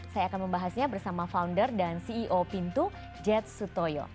saya akan membahasnya bersama founder dan ceo pintu jets sutoyo